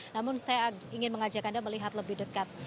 namun saya ingin mengajak anda melihat lebih dekat